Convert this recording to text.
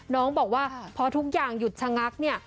น้องบอกว่าพอทุกอย่างหยุดชะงักเนี่ย